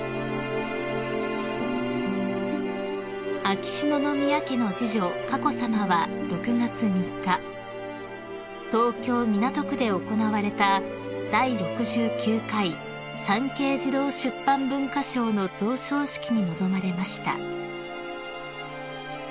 ［秋篠宮家の次女佳子さまは６月３日東京港区で行われた第６９回産経児童出版文化賞の贈賞式に臨まれました］